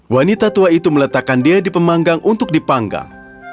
wanita tua itu meletakkan dia di pemanggang untuk dipanggang